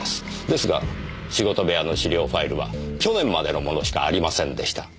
ですが仕事部屋の資料ファイルは去年までのものしかありませんでした。